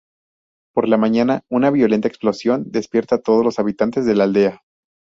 Por la mañana, una violenta explosión despierta todos los habitantes de la aldea.